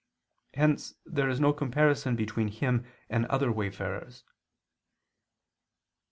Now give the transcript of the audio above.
Hence there is no comparison between Him and other wayfarers.